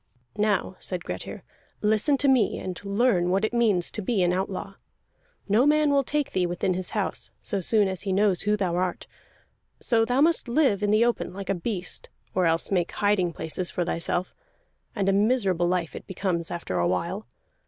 "Now," said Grettir, "listen to me, and learn what it means to be an outlaw. No man will take thee within his house, so soon as he knows who thou art. So must thou live in the open, like a beast, or else make hiding places for thyself. And a miserable life it becomes after a while.